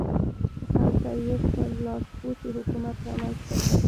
هلته یې خپل لاسپوڅی حکومت رامنځته کړ.